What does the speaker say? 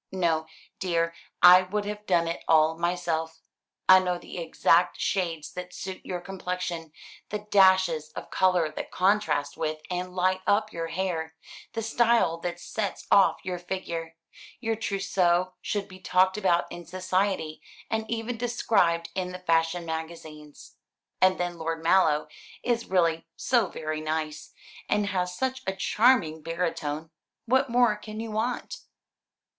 No, dear, I would have done it all myself. I know the exact shades that suit your complexion, the dashes of colour that contrast with and light up your hair, the style that sets off your figure. Your trousseau should be talked about in society, and even described in the fashion magazines. And then Lord Mallow is really so very nice and has such a charming baritone what more can you want?"